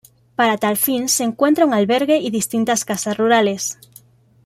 Para tal fin se encuentra un albergue y distintas casas rurales.